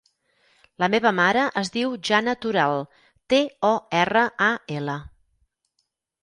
La meva mare es diu Jana Toral: te, o, erra, a, ela.